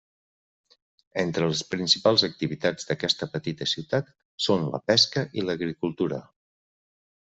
Entre les principals activitats d'aquesta petita ciutat són la pesca i l'agricultura.